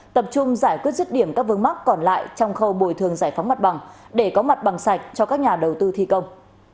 tập trung giải quyết rứt điểm các vương mắc còn lại trong khâu bồi thường giải phóng mặt bằng để có mặt bằng sạch cho các nhà đầu tư thi công